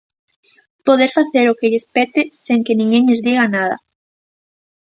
Poder facer o que lles pete, sen que ninguén lles diga nada.